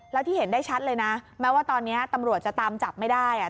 แล้วที่เห็นได้ชัดเลยนะแม้ว่าตอนนี้ตำรวจจะตามจับไม่ได้อ่ะ